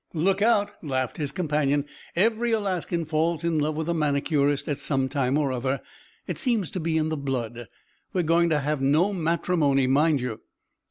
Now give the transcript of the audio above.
"Look out!" laughed his companion. "Every Alaskan falls in love with a manicurist at some time or other. It seems to be in the blood. We are going to have no matrimony, mind you."